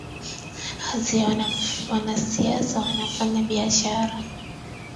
azi ya wanasiasa wafanya biashara